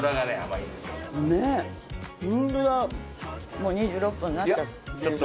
もう２６分になっちゃった。